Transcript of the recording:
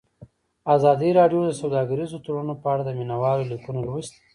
ازادي راډیو د سوداګریز تړونونه په اړه د مینه والو لیکونه لوستي.